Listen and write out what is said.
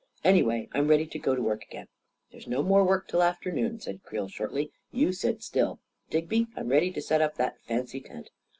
" Anyway, I'm ready to go to work again." " There's no more work till afternoon," said Creel shortly. " You sit still. Digby, I'm ready to set up that fancy tent."